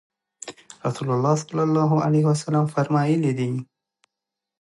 رسول الله صلی الله عليه وسلم فرمایلي دي: